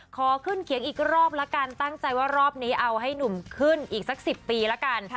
ขอขึ้นเขียงอีกรอบละกันตั้งใจว่ารอบนี้เอาให้หนุ่มขึ้นอีกสัก๑๐ปีแล้วกัน